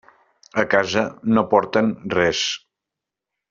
A casa no porten res.